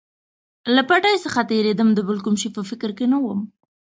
له پټۍ څخه تېرېدم، د بل کوم شي په فکر کې نه ووم.